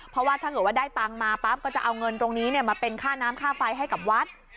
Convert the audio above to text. เพราะว่าถ้าเกิดว่าได้ตังค์มาปั๊บก็จะเอาเงินตรงนี้มาเป็นค่าน้ำค่าไฟให้กับวัด